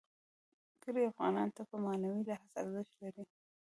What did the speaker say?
کلي افغانانو ته په معنوي لحاظ ارزښت لري.